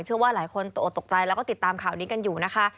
เชื่อว่าหลายคนตกตกใจแล้วก็ติดตามข่าวนี้กันอยู่นะคะ